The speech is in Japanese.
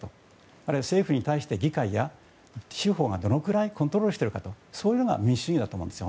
あるいは、政府に対して議会や司法がどのくらいコントロールしていくかというのが民主主義だと思うんです。